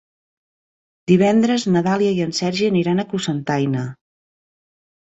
Divendres na Dàlia i en Sergi iran a Cocentaina.